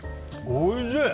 おいしい！